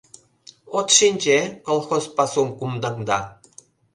От шинче, колхоз пасум кумдаҥда.